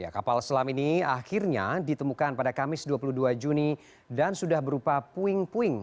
kapal selam ini akhirnya ditemukan pada kamis dua puluh dua juni dan sudah berupa puing puing